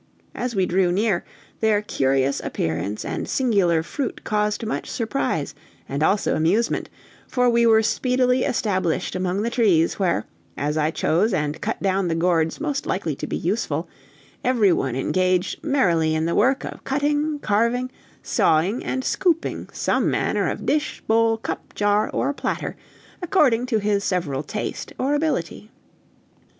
As we drew near, their curious appearance and singular fruit caused much surprise and also amusement, for we were speedily established among the trees, where, as I chose and cut down the gourds most likely to be useful, every one engaged merrily in the work of cutting, carving, sawing, and scooping some manner of dish, bowl, cup, jar, or platter, according to his several taste or ability.